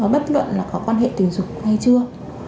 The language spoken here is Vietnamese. bất luận là có quan hệ tình dục hay chưa